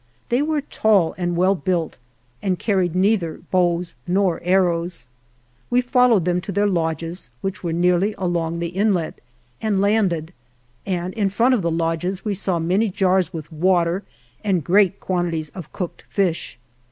They were tall and well built, and carried neither bows nor arrows. We followed them to their lodges, which were nearly along the inlet, and landed, and in front of the lodges we saw many jars with water, and great quantities of cooked fish.